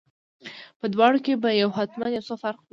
په دواړو کې به یو حتما یو څه پر حق وي.